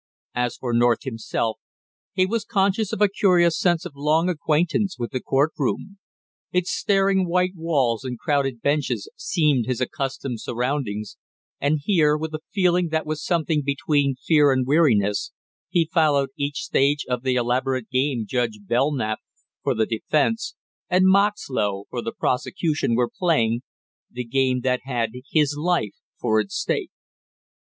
As for North himself, he was conscious of a curious sense of long acquaintance with the courtroom; its staring white walls and crowded benches seemed his accustomed surroundings, and here, with a feeling that was something between fear and weariness, he followed each stage of the elaborate game Judge Belknap, for the defense, and Moxlow, for the prosecution, were playing, the game that had his life for its stake.